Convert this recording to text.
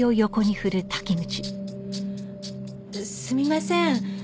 すみません。